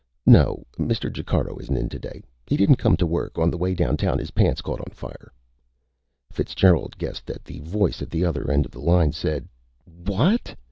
No, Mr. Jacaro isn't in today. He didn't come to work. On the way downtown his pants caught on fire " Fitzgerald guessed that the voice at the other end of the line said "_What?